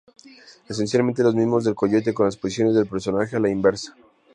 Esencialmente los mismos del Coyote, con las posiciones del personaje a la inversa.